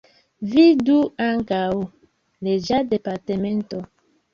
Vidu ankaŭ: Reĝa departemento.